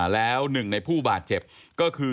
แล้ว๑ในผู้บาดเจ็บก็คือ